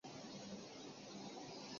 官右大臣。